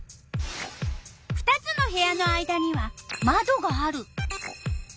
２つの部屋の間にはまどがある。